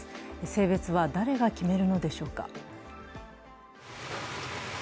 性別は誰が決めるのでしょうか。